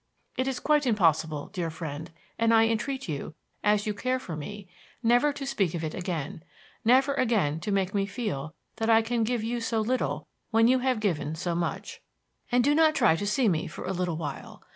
It is quite impossible, dear friend, and I entreat you, as you care for me, never to speak of it again; never again to make me feel that I can give you so little when you have given so much. And do not try to see me for a little while.